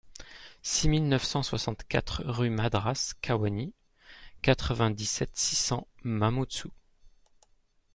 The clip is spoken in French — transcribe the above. six mille neuf cent soixante-quatre rUE MADRASSE KAWENI, quatre-vingt-dix-sept, six cents, Mamoudzou